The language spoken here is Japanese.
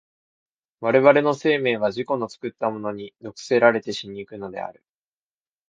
我々の生命は自己の作ったものに毒せられて死に行くのである。